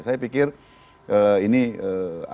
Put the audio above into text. saya pikir ini berarti